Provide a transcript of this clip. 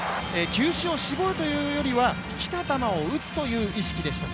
球種を絞るというよりは来た球を打つという意識でした。